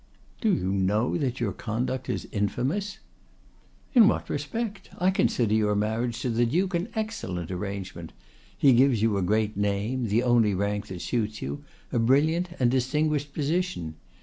'—'Do you know that your conduct is infamous?'—'In what respect? I consider your marriage to the Duke an excellent arrangement; he gives you a great name, the only rank that suits you, a brilliant and distinguished position.